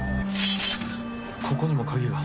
ここにも鍵が。